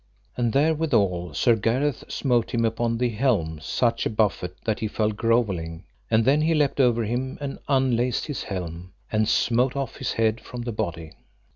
And therewithal Sir Gareth smote him upon the helm such a buffet that he fell grovelling; and then he leapt over him and unlaced his helm, and smote off his head from the body.